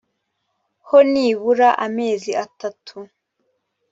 ho nibura amezi atatu